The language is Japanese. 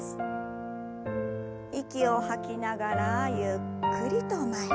息を吐きながらゆっくりと前。